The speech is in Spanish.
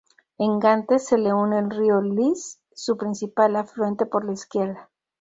En Gante se le une el río Lys, su principal afluente por la izquierda.